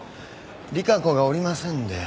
利佳子がおりませんで。